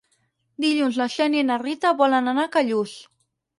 Dilluns na Xènia i na Rita volen anar a Callús.